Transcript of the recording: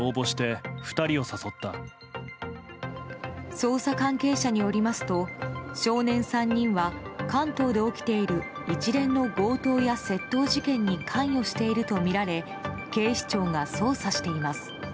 捜査関係者によりますと少年３人は関東で起きている一連の強盗や窃盗事件に関与しているとみられ警視庁が捜査しています。